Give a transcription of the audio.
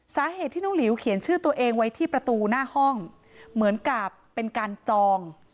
สาเหตุที่น้องหลิวเขียนชื่อตัวเองไว้ที่ประตูหน้าห้องเหมือนกับเป็นการจอง